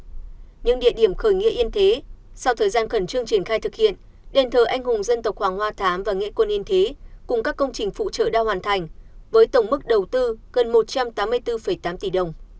trong những địa điểm khởi nghĩa yên thế sau thời gian khẩn trương triển khai thực hiện đền thờ anh hùng dân tộc hoàng hoa thám và nghĩa quân yên thế cùng các công trình phụ trợ đã hoàn thành với tổng mức đầu tư gần một trăm tám mươi bốn tám tỷ đồng